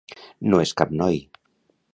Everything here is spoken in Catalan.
No és cap noi.